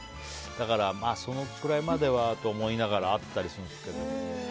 だから、そのくらいまではと思いながらあったりするんですが。